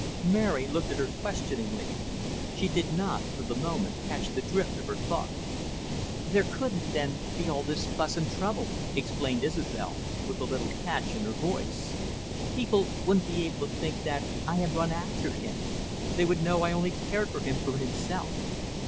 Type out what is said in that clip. Mary looked at her questioningly; she did not, for the moment, catch the drift of her thoughts. "There couldn't, then, be all this fuss and trouble," explained Isobel, with a little catch in her voice. "People wouldn't be able to think that I had run after him, they would know I only cared for him for himself.